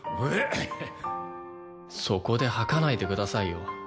そこで吐かないでくださいよ。